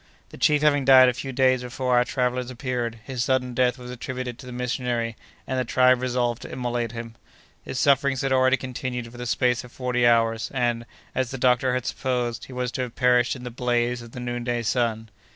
The chief having died a few days before our travellers appeared, his sudden death was attributed to the missionary, and the tribe resolved to immolate him. His sufferings had already continued for the space of forty hours, and, as the doctor had supposed, he was to have perished in the blaze of the noonday sun.